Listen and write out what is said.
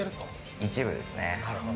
一部ですね。